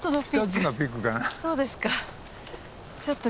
そうですか。